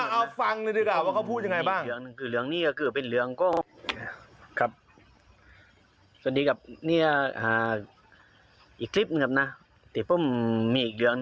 เอาฟังเลยดีกว่าว่าเขาพูดยังไงบ้าง